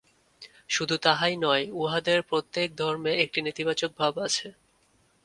শুধু তাহাই নয়, উহাদের প্রত্যেক ধর্মে একটি নেতিবাচক ভাব আছে।